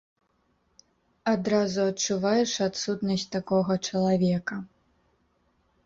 Адразу адчуваеш адсутнасць такога чалавека.